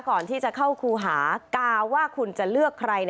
ก่อนที่จะเข้าครูหากาว่าคุณจะเลือกใคร